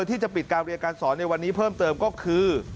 ที่จะปิดการเรียนการสอนในวันนี้เพิ่มเติมก็คือ